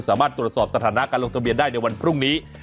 สามารถตรวจสอบสถานะการลงทะเบียนได้ในวันพรุ่งนี้